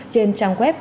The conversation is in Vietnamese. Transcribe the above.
trên trang web